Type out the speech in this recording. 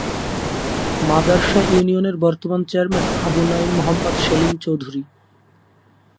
মাদার্শা ইউনিয়নের বর্তমান চেয়ারম্যান আবু নঈম মোহাম্মদ সেলিম চৌধুরী